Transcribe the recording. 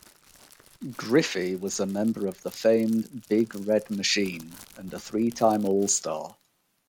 Griffey was a member of the famed Big Red Machine, and a three-time All-Star.